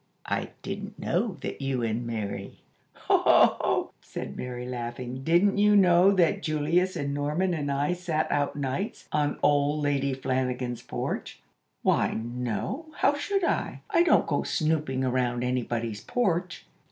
I didn't know that you and Mary " "Ho, ho" said Mary, laughing. "Didn't you know that Julius and Norman and I sat out nights on old Lady Flanagan's porch?" "Why, no; how should I? I don't go snooping around anybody's porch."